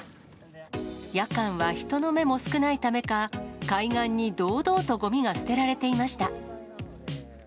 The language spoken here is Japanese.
夜間は人の目も少ないためか、海岸に堂々とごみが捨てられていました。